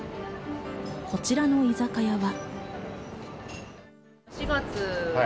こちらの居酒屋は。